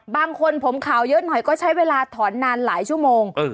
บางคนผมขาวเยอะหน่อยก็ใช้เวลาถอนนานหลายชั่วโมง